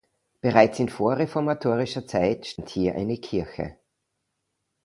Bereits in vorreformatorischer Zeit stand hier eine Kirche.